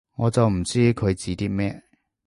我就唔知佢指啲乜